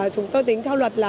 chúng tôi tính theo luật